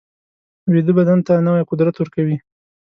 ویده بدن ته نوی قوت ورکوي